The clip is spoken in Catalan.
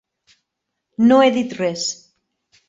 No he dit res.